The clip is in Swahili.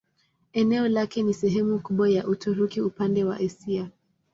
Eneo lake ni sehemu kubwa ya Uturuki upande wa Asia.